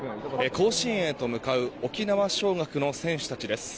甲子園へと向かう沖縄尚学の選手たちです。